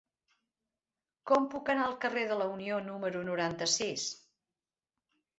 Com puc anar al carrer de la Unió número noranta-sis?